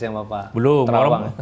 yang bapak terawang